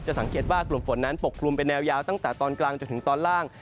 สังเกตว่ากลุ่มฝนนั้นปกคลุมเป็นแนวยาวตั้งแต่ตอนกลางจนถึงตอนล่าง